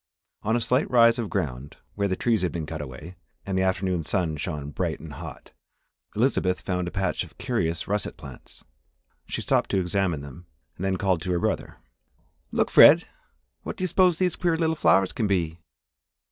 On a slight rise of ground, where the trees had been cut away, and the afternoon sun shone bright and hot, Elizabeth found a patch of curious russet plants. She stopped to examine them and then called to her brother. "Look, Fred, what do you suppose these queer little flowers can be?"